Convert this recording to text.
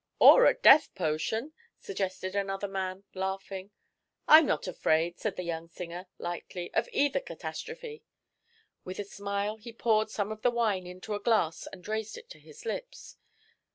"Or a death potion," suggested another man, laughing. "I'm not afraid," said the young singer, lightly, "of either catastrophe." With a smile he poured some of the wine into a glass and raised it to his lips.